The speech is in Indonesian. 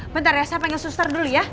bentar ya saya pengen suster dulu ya